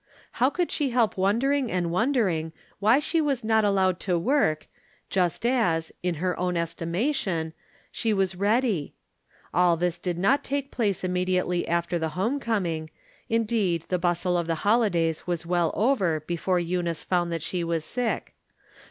How could she help wondering and wondering why she was not al lowed to work, just as, in her own estimation. 312 From Different Standpoints. she was ready. All this did not take place im mediately after the home coming; indeed, the bustle of the holidays was well over before Eu nice found that she was sick.